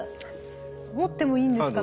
持ってもいいんですかね？